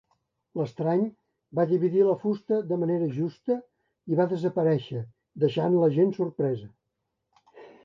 L'estrany va dividir la fusta de manera justa i va desaparèixer, deixant a la gent sorpresa.